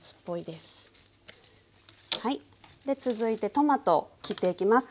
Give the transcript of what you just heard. で続いてトマト切っていきます。